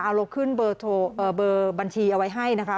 เอาเราขึ้นเบอร์บัญชีเอาไว้ให้นะคะ